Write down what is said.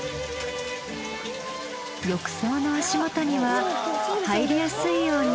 浴槽の足元には入りやすいように踏み台が。